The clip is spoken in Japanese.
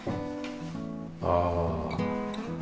ああ。